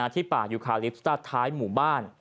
ที่ป่าอยู่คาลิปสุดท้ายหมู่บ้าน